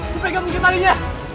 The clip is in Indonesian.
gua pegang mungkin tarinya